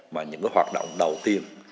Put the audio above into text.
mà những hoạt động đầu tiên